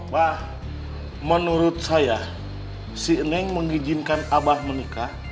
wah menurut saya si neng mengizinkan abah menikah